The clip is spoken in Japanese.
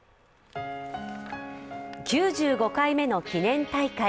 ９５回目の記念大会。